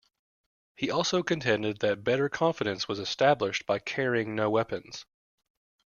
He also contended that better confidence was established by carrying no weapons.